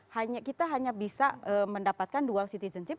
hanya kita hanya bisa mendapatkan dual citizenship